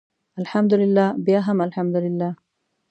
الحمدلله بیا هم الحمدلله.